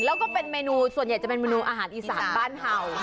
แล้วก็เป็นเมนูส่วนใหญ่จะเป็นเมนูอาหารอีสานบ้านเห่า